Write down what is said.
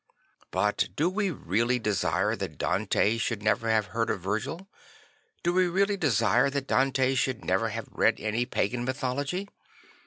But do we really desire that Dante should never have heard of Virgil? Do we really desire that Dante should never have read any pagan mythology?